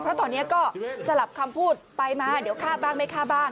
เพราะตอนนี้ก็สลับคำพูดไปมาเดี๋ยวฆ่าบ้างไม่ฆ่าบ้าง